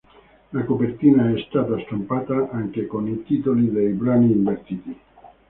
La copertina è stata stampata anche con i titoli dei brani invertiti.